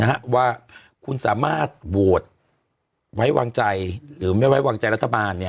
ว่าคุณสามารถโหวตไว้วางใจหรือไม่ไว้วางใจรัฐบาลเนี่ย